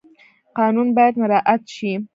قانون باید مراعات شي